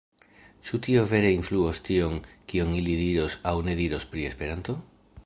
Ĉu tio vere influos tion, kion ili diros aŭ ne diros pri Esperanto?